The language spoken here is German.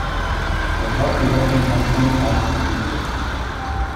Der Ort gehörten zum Kanton Alsleben.